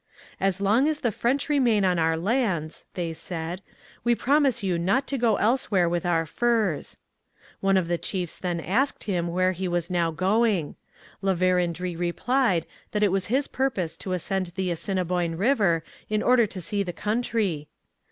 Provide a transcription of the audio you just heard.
'As long as the French remain on our lands,' they said, 'we promise you not to go elsewhere with our furs.' One of the chiefs then asked him where he was now going. La Vérendrye replied that it was his purpose to ascend the Assiniboine river in order to see the country.